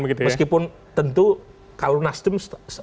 meskipun tentu kalau nasdem